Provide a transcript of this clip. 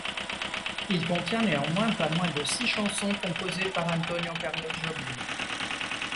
Il contient néanmoins pas moins de six chansons composées par Antônio Carlos Jobim.